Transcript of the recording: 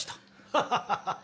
ハハハハハ。